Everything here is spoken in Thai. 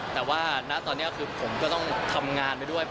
แต่ว่าณตอนนี้คือผมก็ต้องทำงานไปด้วย